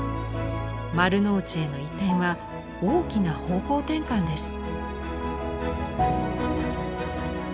丸の内への移転は大きな方向転換です。